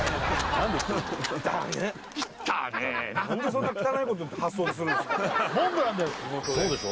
何でそんな汚いこと発想するんですかモンブランだよ・